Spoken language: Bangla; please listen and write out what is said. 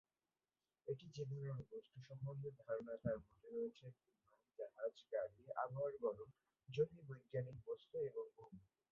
এটি যে ধরনের বস্তু সম্বন্ধে ধারণা তার মধ্যে রয়েছে বিমান, জাহাজ, গাড়ি, আবহাওয়ার গড়ন, জ্যোতির্বৈজ্ঞানিক বস্তু এবং ভূমি।